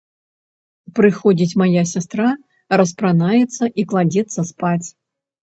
Прыходзіць мая сястра, распранаецца і кладзецца спаць.